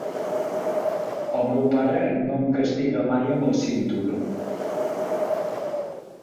El meu pare no em castiga mai amb el cinturó.